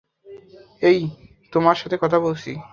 এই, তোমার সাথে কথা বলছি।